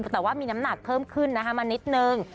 แต่ว่ามีน้ำหนักเพิ่มขึ้นนะคะมานิดนึง